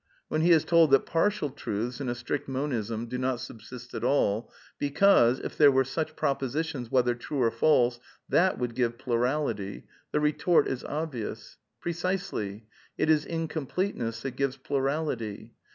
When he is told that partial truths, in a strict Monism, do not subsist at all, "because ^^ if there were such propositions, whether true or false, that would give plur ality," the retort is obvious : Precisely ; it is incomplete 'S(^ ness that gives plurality.